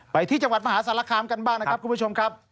ไปที่จังหวัดมหาสารคามกันบ้างนะครับคุณผู้ชมครับ